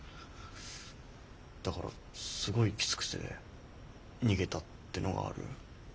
だからすごいきつくて逃げたってのがある。